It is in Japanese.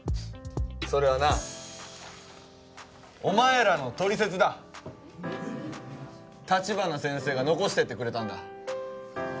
それはなお前らの取説だ立花先生が残してってくれたんだ